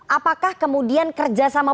apakah kemudian kerjasama